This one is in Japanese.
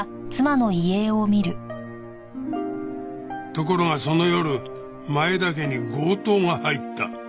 ところがその夜前田家に強盗が入った。